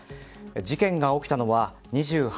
事件が起きたのは２８日